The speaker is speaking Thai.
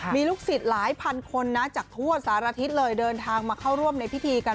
มีลูกศิษย์หลายพันคนนะจากทั่วสารทิศเลยเดินทางมาเข้าร่วมในพิธีกัน